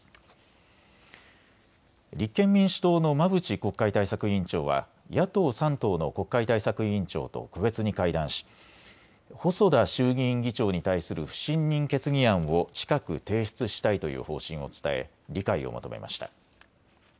立憲民主党の馬淵国会対策委員長は野党３党の国会対策委員長と個別に会談し細田衆議院議長に対する不信任決議案を近く提出したいという方針を伝え理解を求めました。